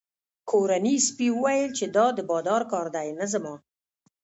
کورني سپي وویل چې دا د بادار کار دی نه زما.